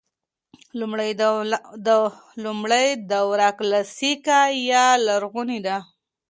لومړۍ دوره کلاسیکه یا لرغونې ده.